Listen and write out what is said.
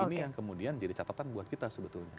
ini yang kemudian jadi catatan buat kita sebetulnya